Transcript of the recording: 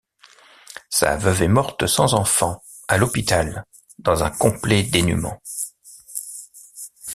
Sa veuve est morte sans enfant à l'hôpital dans un complet dénuement.